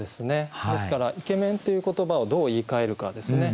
ですから「イケメン」という言葉をどう言いかえるかですね。